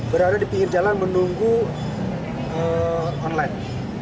berada di pinggir jalan menunggu online